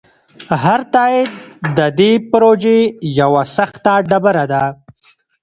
هر تایید د دې پروژې یوه سخته ډبره ده.